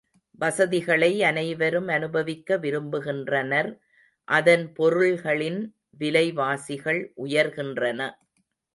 வசதிகளை அனைவரும் அனுபவிக்க விரும்புகின்றனர் அதன் பொருள்களின் விலைவாசிகள் உயர்கின்றன.